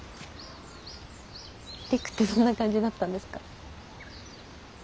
陸ってどんな感じだったんですか？